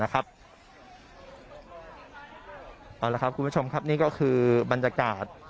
เอาละครับคุณผู้ชมครับนี่ก็คือบรรยากาศ